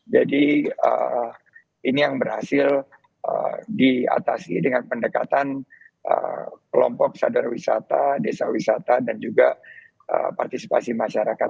jadi ini yang berhasil diatasi dengan pendekatan kelompok sadar wisata desa wisata dan juga partisipasi masyarakat